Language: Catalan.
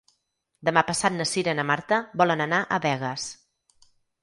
Demà passat na Cira i na Marta volen anar a Begues.